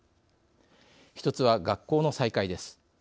１つは学校の再開です。